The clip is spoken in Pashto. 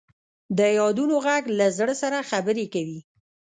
د یادونو ږغ له زړه سره خبرې کوي.